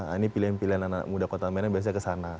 ini pilihan pilihan anak muda kota medan biasanya kesana